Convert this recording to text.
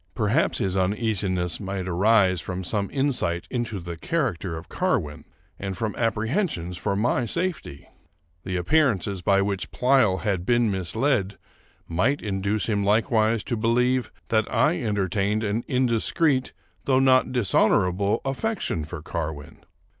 Perhaps his uneasiness might arise from some insight into the character of Carwin, and from apprehensions for my safety. The appearances by which Pleyel had been misled might induce him likewise to believe that I entertained an indiscreet though not dishonorable affection for Carwin.